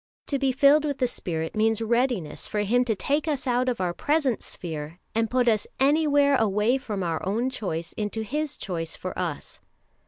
To be filled with the Spirit means readiness for Him to take us out of our present sphere and put us anywhere away from our own choice into His choice for us."